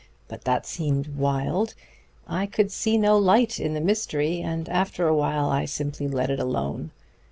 But that seemed wild. I could see no light in the mystery, and after a while I simply let it alone.